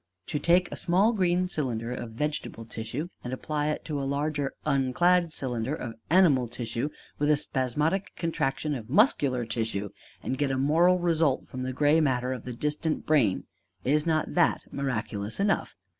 To take a small green cylinder of vegetable tissue and apply it to a larger unclad cylinder of animal tissue, with a spasmodic contraction of muscular tissue, and get a moral result from the gray matter of the distant brain: is not that miraculous enough?